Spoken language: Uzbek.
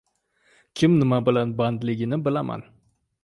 Kim nima bilan bandligini bilaman.